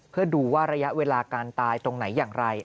เพื่อดูว่าระยะเวลาการตายตรงไหนอย่างไร